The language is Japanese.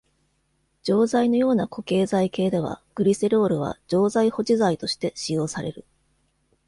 錠剤のような固形剤形では、グリセロールは錠剤保持剤として使用される。